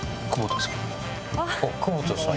久保田さん。